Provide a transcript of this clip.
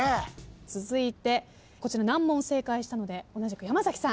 続いてこちら難問正解したので同じく山崎さん。